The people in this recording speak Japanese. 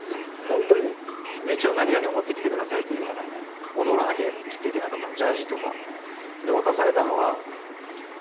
本当に？で一応何々を持ってきてくださいという中に踊らなきゃきっといけなかったのでジャージとか。